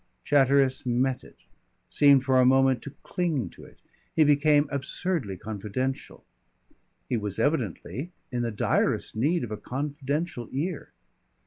Chatteris met it, seemed for a moment to cling to it. He became absurdly confidential. He was evidently in the direst need of a confidential ear.